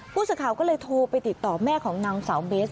ผู้สื่อข่าวก็เลยโทรไปติดต่อแม่ของนางสาวเบส